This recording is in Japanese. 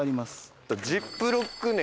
ジップロック猫